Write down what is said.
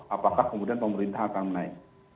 apakah kemudian pemerintah akan menaik